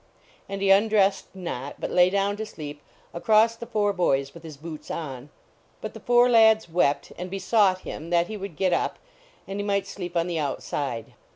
And he undressed not, but lay down to sleep across the four boys with his boots on. But the four lads wept, and besought him that he would get up, and he might sleep on the outside.